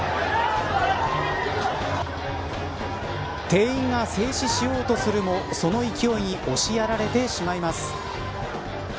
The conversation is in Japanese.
店員が制止しようとするもその勢いに押しやられてしまいます。